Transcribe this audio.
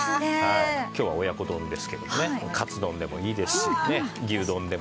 今日は親子丼ですけどもねかつ丼でもいいですし牛丼でも。